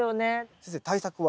先生対策は？